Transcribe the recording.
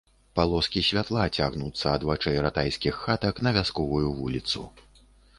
Палоскі святла цягнуцца ад вачэй ратайскіх хатак на вясковую вуліцу.